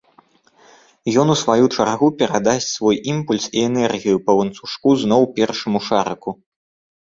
Ён, у сваю чаргу, перадасць свой імпульс і энергію па ланцужку зноў першаму шарыку.